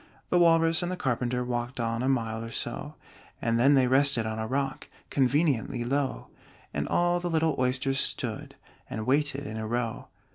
The Walrus and the Carpenter Walked on a mile or so, And then they rested on a rock Conveniently low: And all the little Oysters stood And waited in a row.